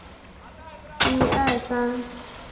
参考频率分析。